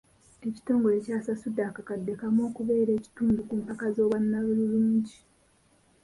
Ekitongole kyasasudde akakadde kamu okubeera ekitundu ku mpaka z'obwannalulungi.